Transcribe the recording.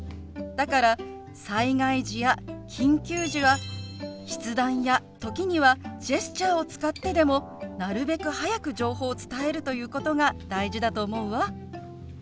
だから災害時や緊急時は筆談や時にはジェスチャーを使ってでもなるべく早く情報を伝えるということが大事だと思うわ。